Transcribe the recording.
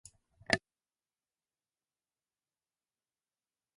なつめきんのすけ